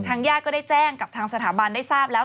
ญาติก็ได้แจ้งกับทางสถาบันได้ทราบแล้ว